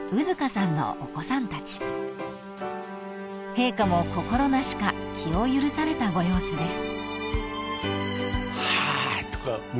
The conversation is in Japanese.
［陛下も心なしか気を許されたご様子です］